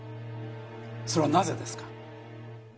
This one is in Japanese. それはなぜですか？